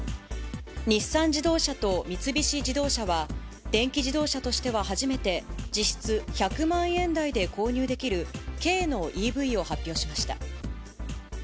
日産自動車と三菱自動車は、電気自動車としては初めて、実質１００万円台で購入できる軽のＥＶを発表しました。